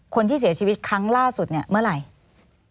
คนที่เสียชีวิตครั้งล่าสุดเนี่ยเมื่อไหร่